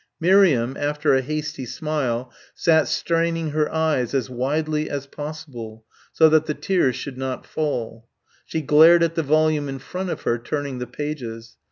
Miriam, after a hasty smile, sat straining her eyes as widely as possible, so that the tears should not fall. She glared at the volume in front of her, turning the pages.